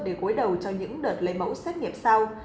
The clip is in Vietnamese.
để cuối đầu cho những đợt lấy mẫu xét nghiệm sau